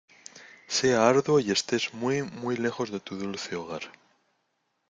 Sea arduo y estés muy, muy lejos de tu dulce hogar...